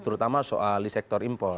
terutama soal sektor impor